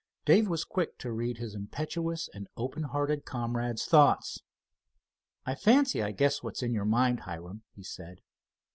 Dave was quick to read his impetuous and open hearted comrade's thoughts. "I fancy I guess what's in your mind, Hiram," he said.